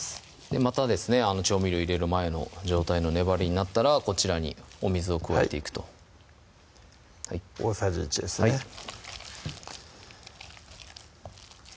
また調味料を入れる前の状態の粘りになったらこちらにお水を加えていくと大さじ１ですねはい